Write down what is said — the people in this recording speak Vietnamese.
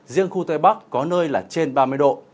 riêng khu tây bắc có nơi là trên ba mươi độ